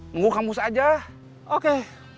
tunggu kang mus aja oke